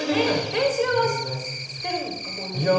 練習はしてるんですか？